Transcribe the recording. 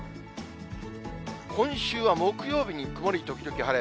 今週は木曜日に曇り時々晴れ。